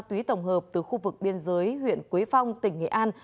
tuy tổng hợp từ khu vực biên giới huyện quế phong tỉnh nghệ an